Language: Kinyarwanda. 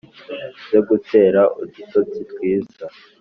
nze ngutere udutotsi twiza ;